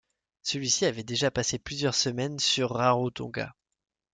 Celui-ci avait déjà passé plusieurs semaines sur Rarotonga.